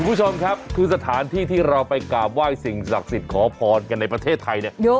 คุณผู้ชมครับคือสถานที่ที่เราไปกราบไหว้สิ่งศักดิ์สิทธิ์ขอพรกันในประเทศไทยเนี่ย